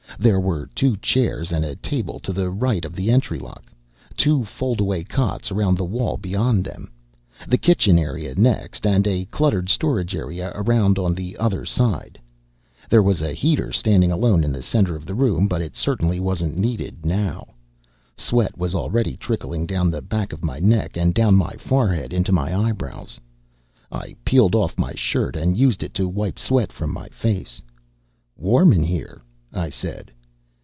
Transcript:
There were two chairs and a table to the right of the entry lock, two foldaway cots around the wall beyond them, the kitchen area next and a cluttered storage area around on the other side. There was a heater standing alone in the center of the room, but it certainly wasn't needed now. Sweat was already trickling down the back of my neck and down my forehead into my eyebrows. I peeled off my shirt and used it to wipe sweat from my face. "Warm in here," I said.